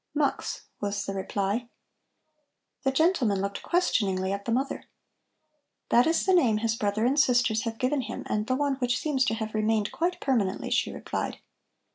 "Mux," was the reply. The gentleman looked questioningly at the mother. "That is the name his brother and sisters have given him and the one which seems to have remained quite permanently," she replied.